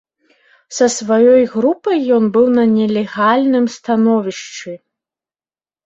Са сваёй групай ён быў на нелегальным становішчы.